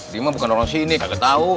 dia mah bukan orang sini gak ketau